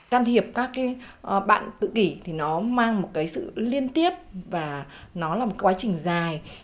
can thiệp các cái bạn tự kỷ thì nó mang một cái sự liên tiếp và nó là một quá trình dài